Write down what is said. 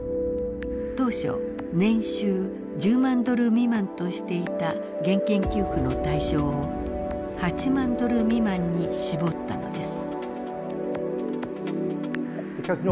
当初年収１０万ドル未満としていた現金給付の対象を８万ドル未満に絞ったのです。